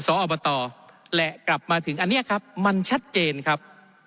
สอบตและกลับมาถึงอันนี้ครับมันชัดเจนครับ